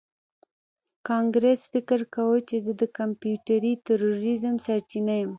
کانګرس فکر کاوه چې زه د کمپیوټري تروریزم سرچینه یم